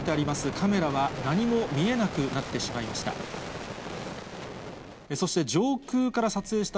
カメラは何も見えなくなってしまいました。